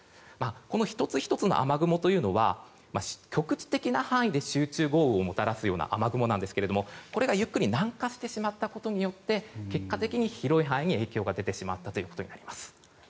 この１つ１つの雨雲というのは局地的な範囲で集中豪雨をもたらすような雨雲なんですがこれがゆっくり南下してしまったことによって結果的に、広い範囲に影響が出てしまったことになります。